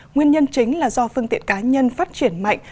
nguyên nhân chính là do phương tiện cá nhân phát triển mạnh